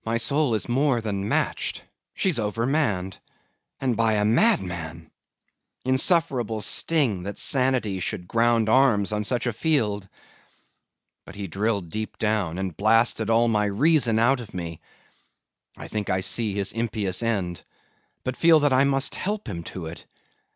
My soul is more than matched; she's overmanned; and by a madman! Insufferable sting, that sanity should ground arms on such a field! But he drilled deep down, and blasted all my reason out of me! I think I see his impious end; but feel that I must help him to it.